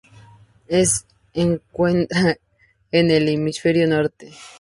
Es encuentra en el Hemisferio Norte.